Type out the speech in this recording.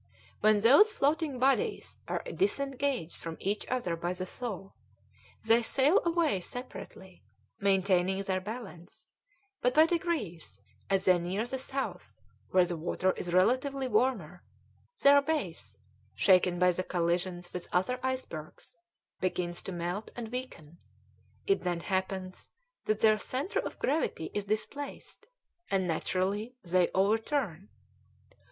When those floating bodies are disengaged from each other by the thaw, they sail away separately, maintaining their balance; but by degrees, as they near the south, where the water is relatively warmer, their base, shaken by the collision with other icebergs, begins to melt and weaken; it then happens that their centre of gravity is displaced, and, naturally, they overturn.